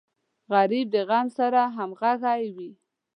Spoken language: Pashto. غریب د غم سره همغږی وي